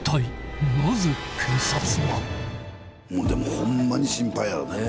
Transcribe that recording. ホンマに心配やろね。